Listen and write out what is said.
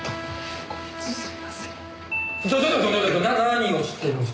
何をしてるんです？